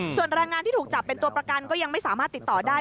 ส่วนแรงงานที่ถูกจับเป็นตัวประกันก็ยังไม่สามารถติดต่อได้